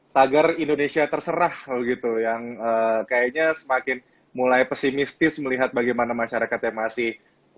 tagar indonesia terserah gitu yang kayaknya semakin mulai pesimistis melihat bagaimana masyarakatnya masih